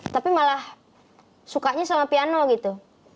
tapi malah sukanya sama piano gitu